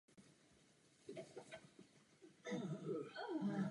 Po smrti otce vedli jeho stavební firmu.